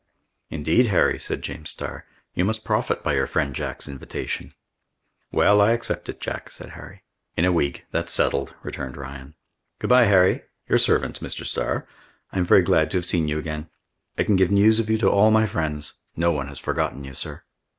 "Indeed, Harry," said James Starr, "you must profit by your friend Jack's invitation." "Well, I accept it, Jack," said Harry. "In a week we will meet at Irvine." "In a week, that's settled," returned Ryan. "Good by, Harry! Your servant, Mr. Starr. I am very glad to have seen you again! I can give news of you to all my friends. No one has forgotten you, sir."